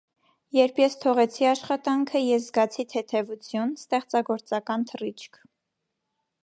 Երբ ես թողեցի աշխատանքը, ես զգացի թեթևություն, ստեղծագործական թռիչք։